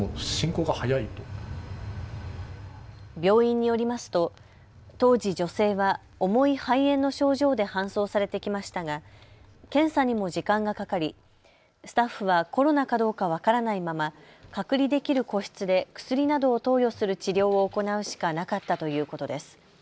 病院によりますと当時、女性は重い肺炎の症状で搬送されてきましたが検査にも時間がかかりスタッフはコロナかどうか分からないまま隔離できる個室で薬などを投与する治療を行うしかなかったということです。